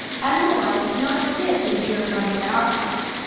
Animal life cannot exist in pure carbon dioxide.